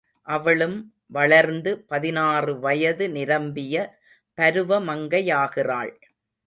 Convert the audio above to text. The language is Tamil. அவளும் வளர்ந்து பதினாறு வயது நிரம்பிய பருவ மங்கையாகிறாள்.